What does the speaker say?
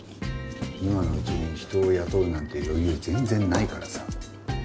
今のうちに人を雇うなんて余裕全然ないからさ。